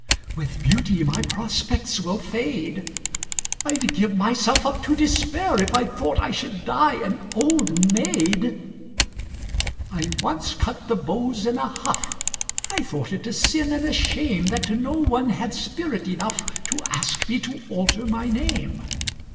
With beauty my prospects will fade I'd give myself up to despair If I thought I should die an old maid! I once cut the beaux in a huff I thought it a sin and a shame That no one had spirit enough To ask me to alter my name.